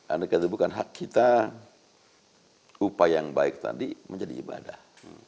andai kata bukan hak kita upaya yang baik tadi menjadi ibadah